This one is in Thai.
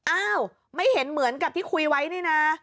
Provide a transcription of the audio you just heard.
อ้าวไม่เห็นเหมือนกับที่คุยไว้นี่นะ